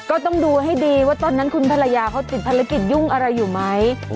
ก็ต้องดูให้ดีว่าตอนนั้นคุณภรรยาเขาติดภารกิจยุ่งอะไรอยู่ไหม